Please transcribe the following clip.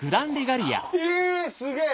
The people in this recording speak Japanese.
え⁉すげぇ！